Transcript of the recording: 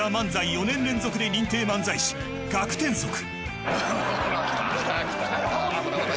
４年連続で認定漫才師ガクテンソク。